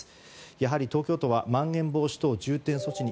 やはり、東京都はまん延防止等重点措置に